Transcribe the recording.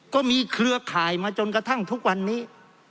เครือข่ายมาจนกระทั่งทุกวันนี้